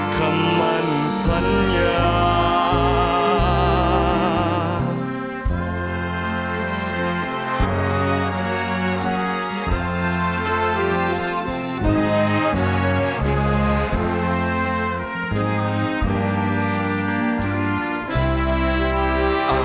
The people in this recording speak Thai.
คำมั่นสัญญา